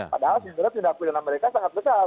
padahal sebenarnya tindak pidana mereka sangat besar